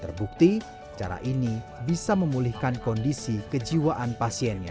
terbukti cara ini bisa memulihkan kondisi kejiwaan pasiennya